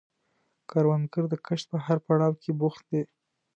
کروندګر د کښت په هر پړاو کې بوخت دی